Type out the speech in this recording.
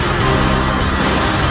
aku tidak percaya